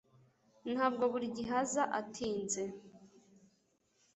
ntabwo buri gihe aza atinze